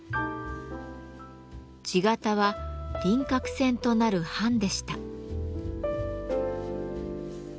「地形」は輪郭線となる版でした。